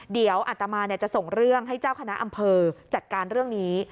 เดี๋ยวอัตมาจะส่งเรื่องให้เจ้าคณะอำเภอจัดการเรื่องนี้